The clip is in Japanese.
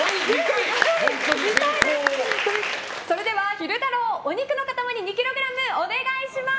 それでは昼太郎お肉の塊２ｋｇお願いします！